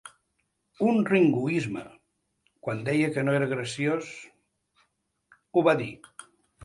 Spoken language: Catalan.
Un ringoisme, quan deia que no era graciós... ho va dir.